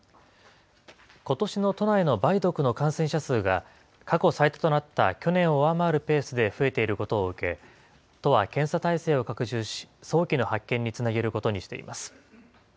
ことしの都内の梅毒の感染者数が、過去最多となった去年を上回るペースで増えていることを受け、都は検査態勢を拡充し、早期の発見につなげることにしています。